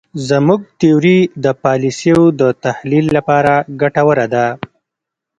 زموږ تیوري د پالیسیو د تحلیل لپاره ګټوره ده.